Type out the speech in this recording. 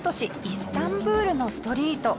イスタンブールのストリート。